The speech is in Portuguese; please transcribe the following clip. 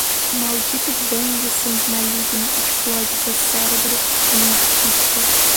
Um maldito banho de sangue maligno explode seu cérebro em um artista.